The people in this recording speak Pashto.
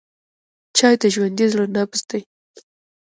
چای د ژوندي زړه نبض دی.